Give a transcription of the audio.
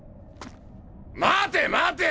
待て待て！